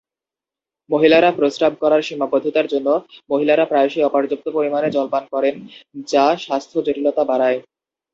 মহিলারা প্রস্রাব করার সীমাবদ্ধতার জন্য, মহিলারা প্রায়শই অপর্যাপ্ত পরিমাণে জল পান করেন, যা স্বাস্থ্য জটিলতা বাড়ায়।